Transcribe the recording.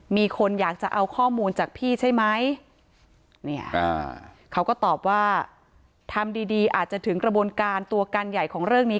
มีคนอยากจะเอาข้อมูลจากพี่ใช่ไหมเนี่ยเขาก็ตอบว่าทำดีดีอาจจะถึงกระบวนการตัวการใหญ่ของเรื่องนี้